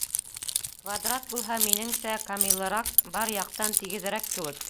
— Квадрат булһа, минеңсә, камилыраҡ, бар яҡтан тигеҙерәк кеүек.